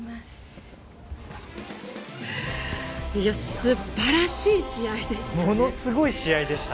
素晴らしい試合でした。